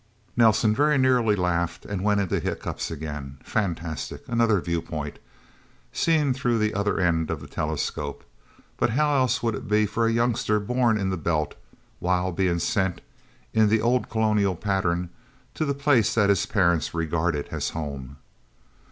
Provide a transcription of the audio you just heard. Nelsen very nearly laughed and went into hiccups, again. Fantastic. Another viewpoint. Seeing through the other end of the telescope. But how else would it be for a youngster born in the Belt, while being sent in the old colonial pattern to the place that his parents regarded as home?